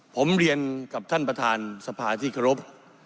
ผมเรียนกับท่านประธานสภาที่เคารพ